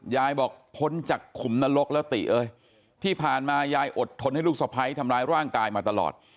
ยายบอกพ้นจากขุมนรกแล้วติเอ้ยที่ผ่านมายายอดทนให้ลูกสะพ้ายทำร้ายร่างกายมาตลอด